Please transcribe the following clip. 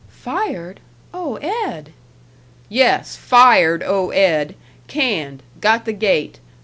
"Fired? Oh, Ed!" "Yes, fired oh Ed. Canned. Got the gate.